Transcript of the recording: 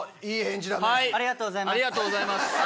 ありがとうございます。